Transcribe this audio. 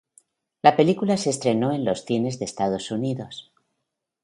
La película se estrenó en los cines en Estados Unidos.